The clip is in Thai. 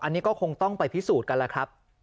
อันนี้ก็คงต้องไปพิสูจน์กันแล้วครับ